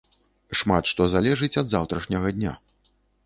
Шмат што залежыць ад заўтрашняга дня.